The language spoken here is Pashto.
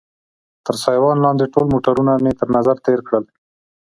تر سایوان لاندې ټول موټرونه مې تر نظر تېر کړل.